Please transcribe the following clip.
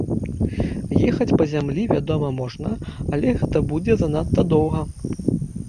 Ехаць па зямлі вядома можна, але гэта будзе занадта доўга.